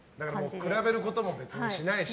比べることも別にしないし。